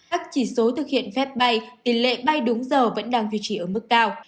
các chỉ số thực hiện phép bay tỷ lệ bay đúng giờ vẫn đang duy trì ở mức cao